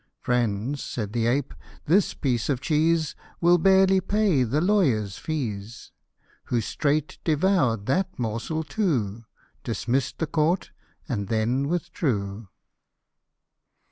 " Friends," said the ape, " this piece of cheese Will barely pay the lawyer's fees." Who straight devoured that morsel too, Dismiss'd the court, and then withdrew.